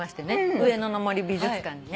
上野の森美術館にね。